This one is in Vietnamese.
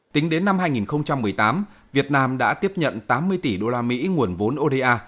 tính đến năm hai nghìn một mươi tám việt nam đã tiếp nhận tám mươi tỷ đô la mỹ nguồn vốn oda